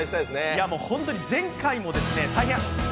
いや、もう本当に前回も